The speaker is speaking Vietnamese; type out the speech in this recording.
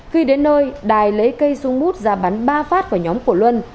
khi đến nơi đài lấy cây súng bút ra bắn ba phát vào nhóm của luân